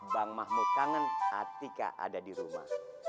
bang mahmud kangen atika ada di rumah